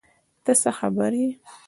ته څه خبر یې ؟